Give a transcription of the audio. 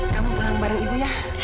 kamu pulang bareng ibu ya